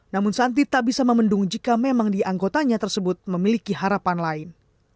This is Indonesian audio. namun santi tak bisa memendung jika memang di anggotanya tersebut memiliki harapan lain